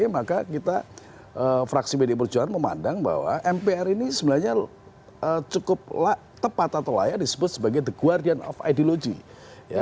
maka kita fraksi pdi perjuangan memandang bahwa mpr ini sebenarnya cukup tepat atau layak disebut sebagai the guardian of ideology